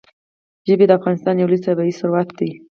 ژبې د افغانستان یو لوی طبعي ثروت دی.